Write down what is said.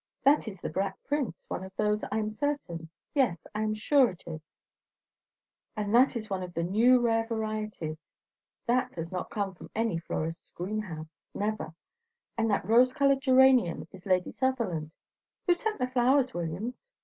That is the Black Prince, one of those, I am certain; yes, I am sure it is; and that is one of the new rare varieties. That has not come from any florist's greenhouse. Never. And that rose coloured geranium is Lady Sutherland. Who sent the flowers, Williams?"